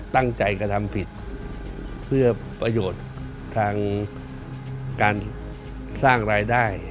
กระทำผิดเพื่อประโยชน์ทางการสร้างรายได้